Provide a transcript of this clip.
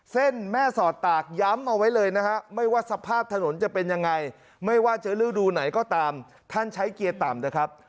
แม่สอดตากย้ำเอาไว้เลยนะฮะไม่ว่าสภาพถนนจะเป็นยังไงไม่ว่าเจอฤดูไหนก็ตามท่านใช้เกียร์ต่ำนะครับ